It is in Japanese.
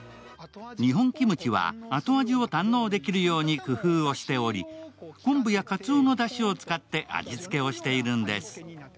日本キムチは後味を堪能できるように工夫しており、昆布やかつおのだしを使って、味付けをしているんです。